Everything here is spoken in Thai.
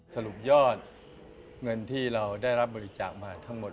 สรุปยอดเงินที่เราได้รับบริจาคมาทั้งหมด